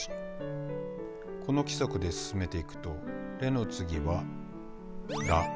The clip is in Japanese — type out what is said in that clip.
この規則で進めていくと「レ」の次は「ラ」。